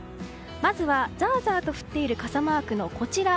まずは、ザーザーと降っている傘マークのこちら。